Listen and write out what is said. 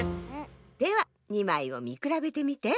では２まいをみくらべてみて。